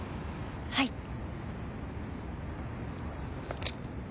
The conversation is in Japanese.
はい。